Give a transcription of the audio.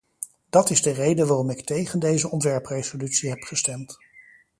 Dat is de reden waarom ik tegen deze ontwerpresolutie heb gestemd.